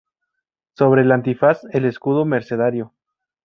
Sobre el antifaz, el escudo mercedario.